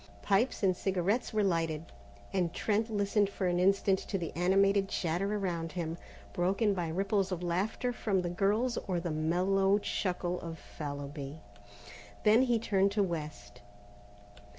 Pipes and cigarettes were lighted, and Trent listened an instant to the animated chatter around him, broken by ripples of laughter from the girls or the mellow chuckle of Fallowby. Then he turned to West.